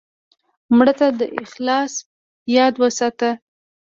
مړه ته د اخلاص یاد وساته